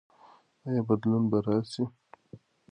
ایا بدلون به راسي؟